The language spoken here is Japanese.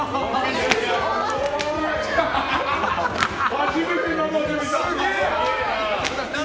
初めて生で見た！